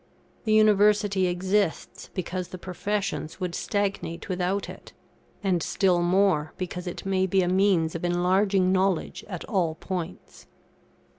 The University exists because the professions would stagnate without it; and still more, because it may be a means of enlarging knowledge at all points.